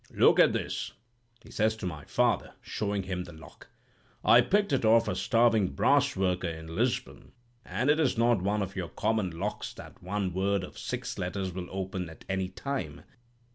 "'Look at this,' he says to my father, showing him the lock. 'I picked it up off a starving brass worker in Lisbon, and it is not one of your common locks that one word of six letters will open at any time.